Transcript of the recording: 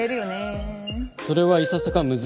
それはいささか難しいかと。